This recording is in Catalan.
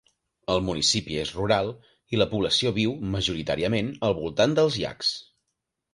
El municipi és rural i la població viu majoritàriament al voltant dels llacs.